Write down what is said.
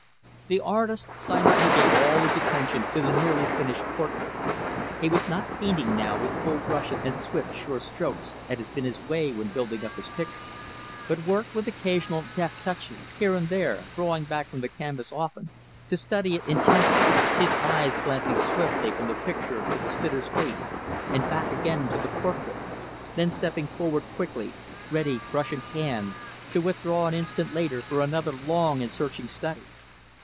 The artist silently gave all his attention to the nearly finished portrait. He was not painting, now, with full brush and swift sure strokes, as had been his way when building up his picture, but worked with occasional deft touches here and there; drawing back from the canvas often, to study it intently, his eyes glancing swiftly from the picture to the sitter's face and back again to the portrait; then stepping forward quickly, ready brush in hand; to withdraw an instant later for another long and searching study.